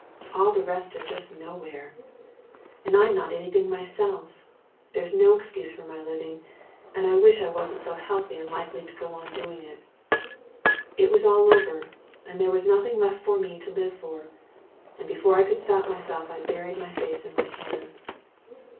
All the rest are just nowhere. And I'm not anything myself. There's no excuse for my living, and I wish I wasn't so healthy and likely to go on doing it. It was all over, and there was nothing left for me to live for, and before I could stop myself I buried my face in my hands.